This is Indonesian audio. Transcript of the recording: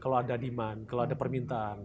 kalau ada demand kalau ada permintaan